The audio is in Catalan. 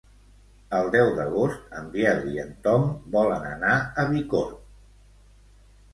El deu d'agost en Biel i en Tom volen anar a Bicorb.